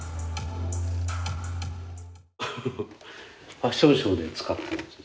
ファッションショーで使ったやつです。